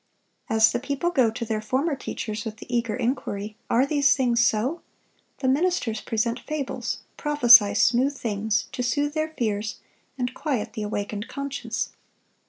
As the people go to their former teachers with the eager inquiry, Are these things so? the ministers present fables, prophesy smooth things, to soothe their fears, and quiet the awakened conscience.